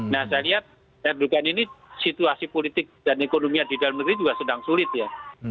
nah saya lihat dugaan ini situasi politik dan ekonominya di dalam negeri juga sedang sulit ya